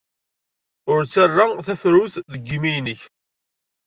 Ur ttarra tafrut deg yimi-nnek.